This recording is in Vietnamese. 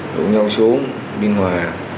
đụng nhau xuống biên hòa